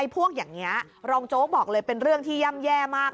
พวกอย่างนี้รองโจ๊กบอกเลยเป็นเรื่องที่ย่ำแย่มาก